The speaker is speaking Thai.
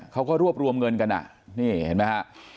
เขาก็รวบรวมเงินกันอ่ะนี่เห็นไหมฮะ